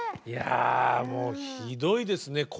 いやもうひどいですね